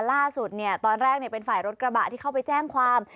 ล่าสุดตอนแรกเป็นฝ่ายรถกระบะที่เข้าไปแจ้งความ